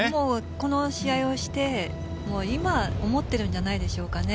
この試合をして今、思っているんじゃないでしょうかね。